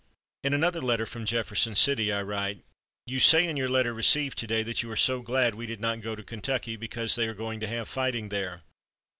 In another letter from Jefferson City I write: "You say in your letter received to day that you are so glad we did not go to Kentucky, because they are going to have fighting there.